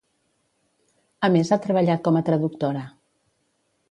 A més, ha treballat com a traductora.